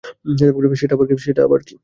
সেটা আবার কি?